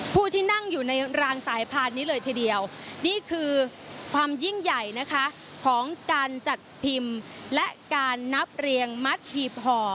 ผู้ที่นั่งอยู่ในรางสายพานนี้เลยทีเดียวนี่คือความยิ่งใหญ่นะคะของการจัดพิมพ์และการนับเรียงมัดหีบห่อ